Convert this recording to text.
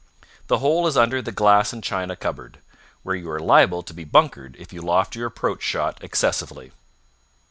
The hole is under the glass and china cupboard, where you are liable to be bunkered if you loft your approach shot excessively.